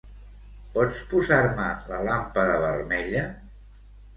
Pots posar-me la làmpada vermella?